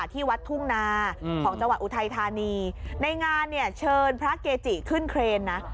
ที่วัดทุ่งนาของจังหวัดอุทัยธานีในงานเนี่ยเชิญพระเกจิขึ้นเครนนะ